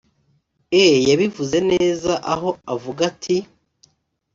E yabivuze neza aho avuga ati